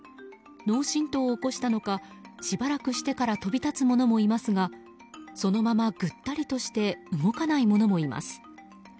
脳しんとうを起こしたのかしばらくしてから飛び立つものもいますがそのままぐったりとして動かないものもいます。